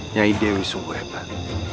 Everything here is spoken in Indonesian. nyai dewi sungguh hebat